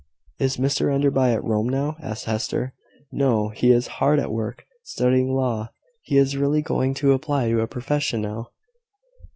"Is Mr Enderby at Rome now?" asked Hester. "No: he is hard at work, studying law. He is really going to apply to a profession now.